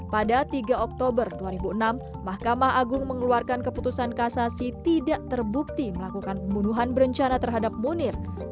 pada tiga oktober dua ribu enam mahkamah agung mengeluarkan keputusan kasasi tidak terbukti melakukan pembunuhan berencana terhadap munir